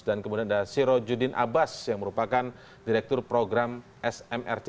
dan kemudian ada siro judin abbas yang merupakan direktur program smrc